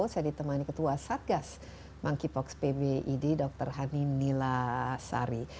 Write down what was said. saya ditemani ketua satgas monkeypox pbid dr hani milasari